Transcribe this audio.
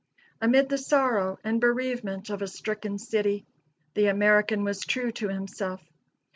Amid the sorrow and bereavement of a stricken city, the American was true to himself.